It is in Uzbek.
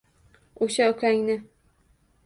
O‘sha ukangni!